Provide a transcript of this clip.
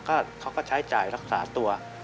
เขาก็ใช้จ่ายรักษาตัว